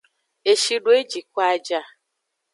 Eshi do yi jiko a ja.